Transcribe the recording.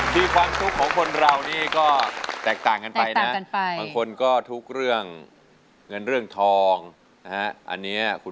ที่ความทุกข์ของคนเรานี่ก็